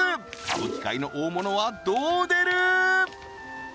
歌舞伎界の大物はどう出る？